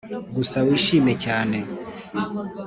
gusa wishime cyane